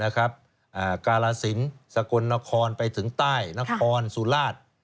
กาลสินสกลนครไปถึงใต้นครสุราช